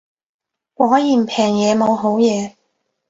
果然平嘢冇好嘢